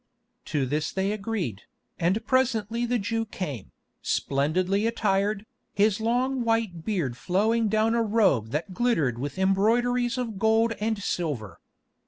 To this they agreed, and presently the Jew came, splendidly attired, his long white beard flowing down a robe that glittered with embroideries of gold and silver.